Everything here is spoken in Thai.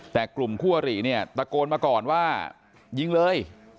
แต่กลุ่มทั่วหลีตะโกนมาก่อนว่ายิงเลย